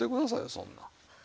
そんなん。